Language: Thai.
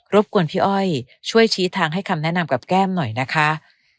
บกวนพี่อ้อยช่วยชี้ทางให้คำแนะนำกับแก้มหน่อยนะคะ